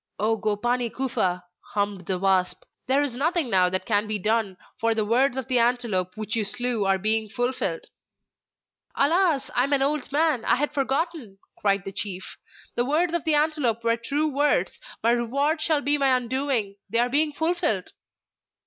'O Gopani Kufa!' hummed the wasp, 'there is nothing now that can be done, for the words of the antelope which you slew are being fulfilled.' 'Alas! I am an old man I had forgotten!' cried the chief. 'The words of the antelope were true words my reward shall be my undoing they are being fulfilled!